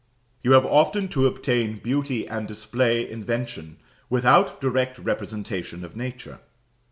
You have often to obtain beauty and display invention without direct representation of nature.